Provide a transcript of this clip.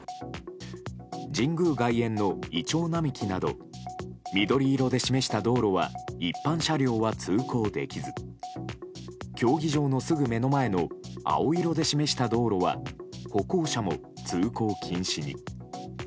神宮外苑のイチョウ並木など緑色で示した道路は一般車両は通行できず競技場のすぐ目の前の青色で示した道路は歩行者も通行禁止に。